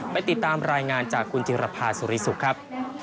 ไปติดตามรายงานจากคุณจิรภาสุริสุขครับ